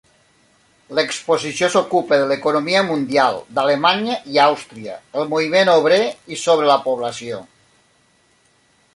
L’exposició s’ocupa de l’economia mundial, d’Alemanya i Àustria, el moviment obrer i sobre la població.